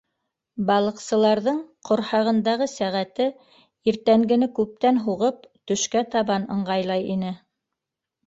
Балыҡсыларҙың ҡорһағындағы сәғәте, иртәнгене күптән һуғып, төшкә табан ыңғайлай ине.